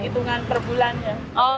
hitungan perbulan ya